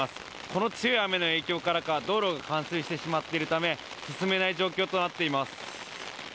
この強い雨の影響からか道路が冠水してしまっているため進めない状況となっています。